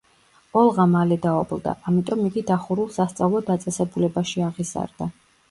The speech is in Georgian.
ოლღა მალე დაობლდა, ამიტომ იგი დახურულ სასწავლო დაწესებულებაში აღიზარდა.